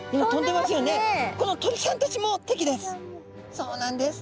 この鳥さんたちも敵です。